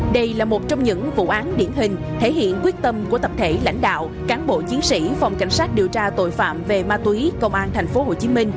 đây là một trong những vụ án điển hình thể hiện quyết tâm của tập thể lãnh đạo cán bộ chiến sĩ phòng cảnh sát điều tra tội phạm về ma túy công an tp hcm